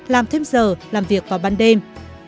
làm thêm giờ làm việc vào ban đêm